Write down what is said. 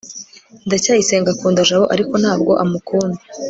ndacyayisenga akunda jabo, ariko ntabwo amukunda